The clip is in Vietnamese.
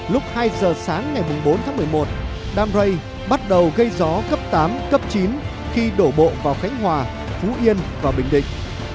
lúc hai giờ sáng ngày bốn tháng một mươi một đam rây bắt đầu gây gió cấp tám cấp chín khi đổ bộ vào khánh hòa phú yên và bình định